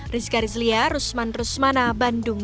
rizka rizlia rusman rusmana bandung